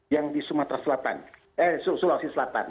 yang di sumatera selatan eh sulawesi selatan